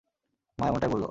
মা এমনটাই বললো।